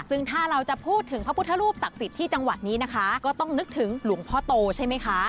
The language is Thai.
ซึ่งถ้าเราจะพูดถึงพระพุทธรูปศักดิ์สิทธิ์ที่จังหวัดนี้นะคะก็ต้องนึกถึงหลวงพ่อโตใช่ไหมคะ